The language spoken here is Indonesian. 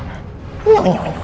dia tidak masih hidup